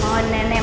mau nenek mandiin